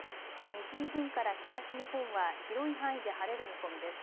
西日本から東日本は広い範囲で晴れる見込みです。